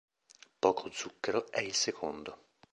Poco zucchero è il secondo.